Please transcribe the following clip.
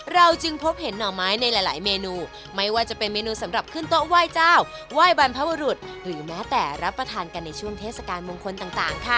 เราจึงพบเห็นหน่อไม้ในหลายเมนูไม่ว่าจะเป็นเมนูสำหรับขึ้นโต๊ะไหว้เจ้าไหว้บรรพบุรุษหรือแม้แต่รับประทานกันในช่วงเทศกาลมงคลต่างค่ะ